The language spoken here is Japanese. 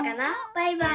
バイバイ！